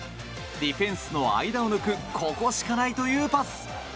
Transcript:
ディフェンスの間を抜くここしかないというパス！